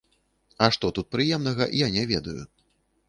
А што тут прыемнага, я не ведаю.